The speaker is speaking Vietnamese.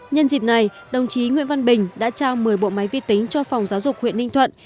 nhân dịp này đồng chí nguyễn văn bình đã trao một mươi bộ máy vi tính cho phòng giáo dục huyện ninh thuận